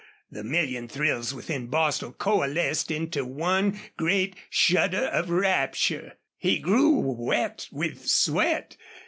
The million thrills within Bostil coalesced into one great shudder of rapture. He grew wet with sweat.